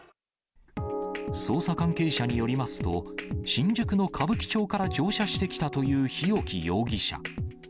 捜査関係者によりますと、新宿の歌舞伎町から乗車してきたという日置容疑者。